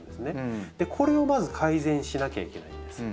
これをまず改善しなきゃいけないんです。